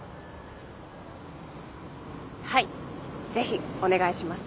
はいぜひお願いします。